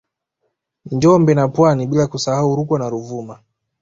Njombe na Pwani bila kusahau Rukwa na Ruvuma